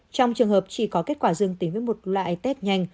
trong trường hợp chỉ có kết quả dương tính với một loại test nhanh